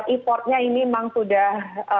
importnya ini memang sudah